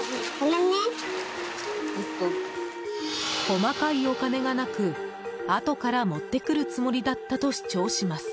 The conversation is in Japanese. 細かいお金がなく、あとから持ってくるつもりだったと主張します。